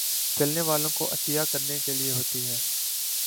چلنے والوں کوعطیہ کرنے کے لیے ہوتی ہے